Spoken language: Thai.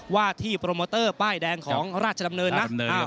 ว่าที่โปรโมเตอร์ป้ายแดงของราชดำเนินนะ